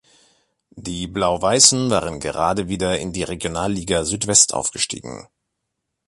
Die Blau-Weißen waren gerade wieder in die Regionalliga Südwest aufgestiegen.